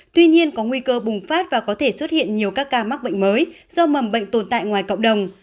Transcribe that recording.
tuy nhiên có nguy cơ bùng phát và có thể xuất hiện nhiều các ca mắc bệnh mới do mầm bệnh tồn tại ngoài cộng đồng